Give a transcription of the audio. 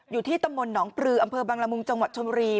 อยู่ที่ตำบลหนองปลืออำเภอบังละมุงจังหวัดชนบุรี